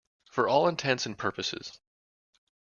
For all intents and purposes.